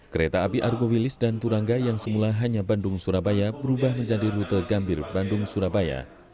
kereta api argo wilis dan turangga yang semula hanya bandung surabaya berubah menjadi rute gambir bandung surabaya